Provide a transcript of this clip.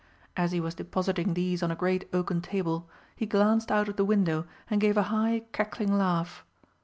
As he was depositing these on a great oaken table, he glanced out of the window and gave a high cackling laugh.